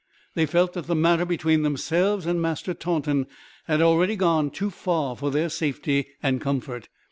They felt that the matter between themselves and Master Taunton had already gone too far for their safety and comfort.